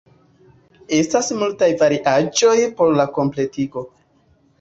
Estas multaj variaĵoj por la kompletigo.